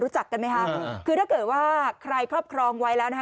กันไหมคะคือถ้าเกิดว่าใครครอบครองไว้แล้วนะคะ